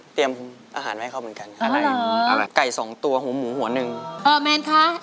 เตรียมอาหารให้เขาเหมือนกัน